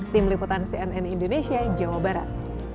tim liputan cnn indonesia jawa barat